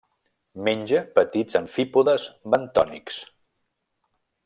Menja petits amfípodes bentònics.